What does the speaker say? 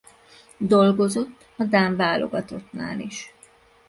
Dolgozott a dán válogatottnál is.